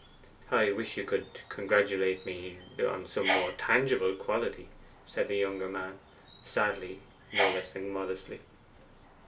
'I wish you could congratulate me upon some more tangible quality,' said the younger man, sadly no less than modestly.